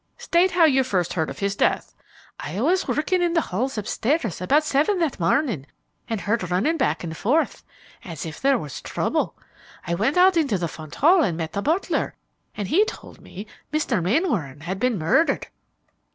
"State how you first heard of his death." "I was working in the halls up stairs about seven that morning and heard running back and forth, as if there was trouble. I went out into the front hall and met the butler, and he told me Mr. Mainwaring had been murdered."